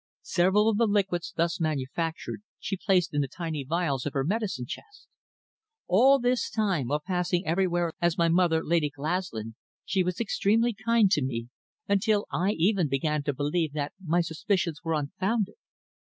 Several of the liquids thus manufactured she placed in the tiny phials of her medicine chest. All this time, while passing everywhere as my mother, Lady Glaslyn, she was extremely kind to me, until I even began to believe that my suspicions were unfounded.